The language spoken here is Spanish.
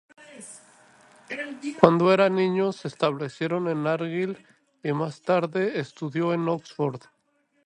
Cuando era niño se establecieron en Argyll y más tarde estudió en Oxford.